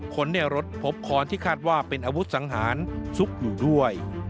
คนในรถพบค้อนที่คาดว่าเป็นอาวุธสังหารซุกอยู่ด้วย